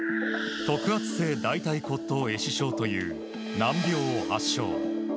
特発性大腿骨壊死症という難病を発症。